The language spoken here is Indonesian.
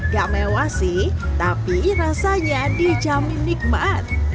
gak mewah sih tapi rasanya dijamin nikmat